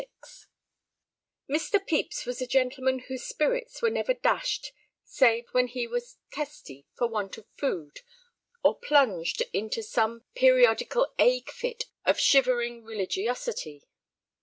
XXVI Mr. Pepys was a gentleman whose spirits were never dashed save when he was testy for want of food or plunged into some periodical ague fit of shivering religiosity.